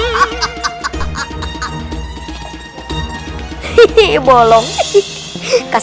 hai de parks